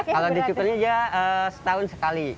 kalau di cukurnya dia setahun sekali